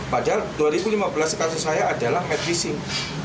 pada tahun dua ribu lima belas kasus saya adalah match fixing